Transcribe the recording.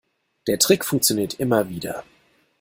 Der Trick funktioniert immer wieder.